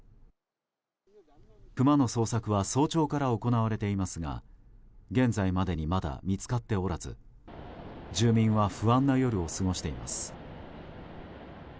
クマの捜索は早朝から行われていますが現在までにまだ見つかっておらず住民は不安な夜を過ごしています。